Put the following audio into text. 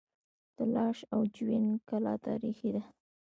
د لاش او جوین کلا تاریخي ده